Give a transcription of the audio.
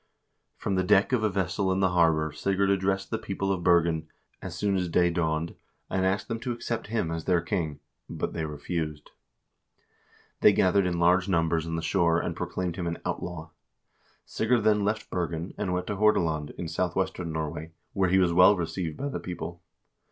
342 HISTORY OF THE NORWEGIAN PEOPLE From the deck of a vessel in the harbor Sigurd addressed the people of Bergen, as soon as day dawned, and asked them to accept him as their king, but they refused. They gathered in large numbers on the shore and proclaimed him an outlaw. Sigurd then left Bergen and went to Hordaland, in southwestern Norway, where he was well received by the people.